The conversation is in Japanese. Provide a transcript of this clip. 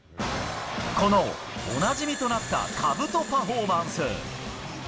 このおなじみとなった、かぶとパフォーマンス。